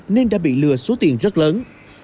nên đã bị lừa số tiền rất lớn